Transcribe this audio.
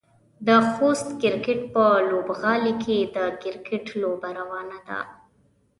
د خوست کرکټ په لوبغالي کې د کرکټ لوبه روانه ده.